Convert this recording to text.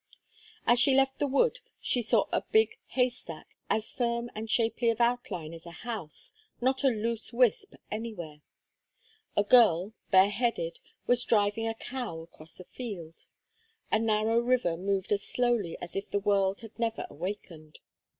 As she left the wood she saw a big hay stack, as firm and shapely of outline as a house, not a loose wisp anywhere. A girl, bareheaded, was driving a cow across a field. A narrow river moved as slowly as if the world had never awakened.